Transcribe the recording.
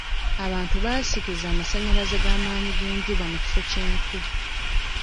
Abantu baasikiza amasannyalaze g'amaanyi g'enjuba mu kifo ky'enku.